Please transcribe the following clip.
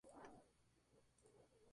Es limítrofe con Ucrania y Hungría.